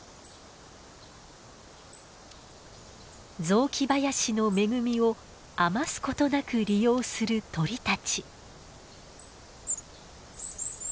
雑木林の恵みを余すことなく利用する鳥たち。